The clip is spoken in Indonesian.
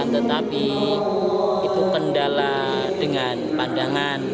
tetapi itu kendala dengan pandangan